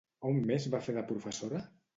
On més va fer de professora?